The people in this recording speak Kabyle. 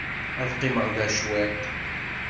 Ad qqimeɣ da cwiṭ.